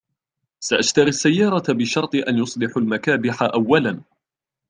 .سأشتري السيارة بشرط أن يصلحوا المكابح أولاً